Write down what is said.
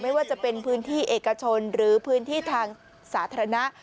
ไม่ว่าจะเป็นพื้นที่เอกชนหรือพื้นที่ทางสาธารณะ